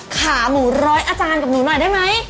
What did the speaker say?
ขาหมูร้อยอาจารย์กับหนูหน่อยได้ไหม